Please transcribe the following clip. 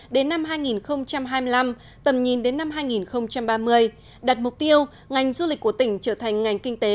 đến năm hai nghìn hai mươi năm tầm nhìn đến năm hai nghìn ba mươi đặt mục tiêu ngành du lịch của tỉnh trở thành ngành kinh tế